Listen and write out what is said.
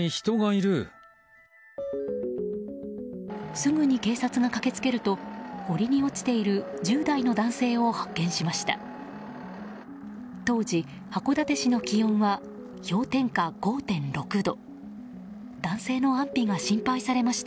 すぐに警察が駆けつけると堀に落ちている１０代の男性を発見しました。